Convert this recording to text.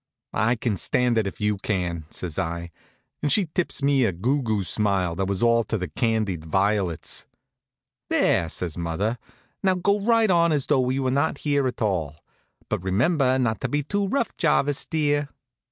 "I can stand it if you can," says I, and she tips me a goo goo smile that was all to the candied violets. "There!" says the mother. "Now go right on as though we were not here at all. But remember not to be too rough, Jarvis, dear."